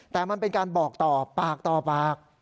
แต่มันเป็นการบอกต่อปากต่อปาก